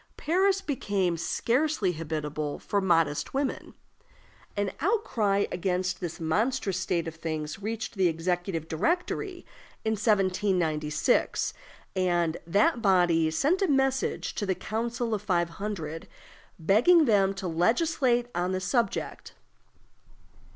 Paris became scarcely habitable for modest women. An outcry against this monstrous state of things reached the Executive Directory in 1796, and that body sent a message to the Council of Five Hundred, begging them to legislate on the subject.